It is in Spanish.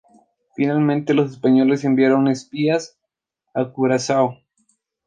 Finalmente los españoles enviaron espías a Curazao.